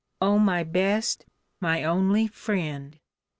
O my best, my only friend!